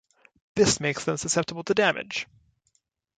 This makes them susceptible to damage.